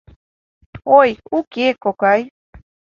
— Ой, уке, кокай...